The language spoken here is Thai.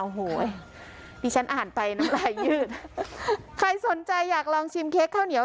โอ้โหดิฉันอ่านไปน้ำลายยืดใครสนใจอยากลองชิมเค้กข้าวเหนียว